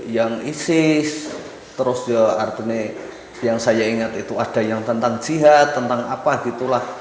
yang isis terus artinya yang saya ingat itu ada yang tentang jihad tentang apa gitu lah